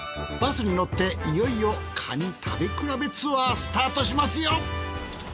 バスに乗っていよいよカニ食べ比べツアースタートしますよ。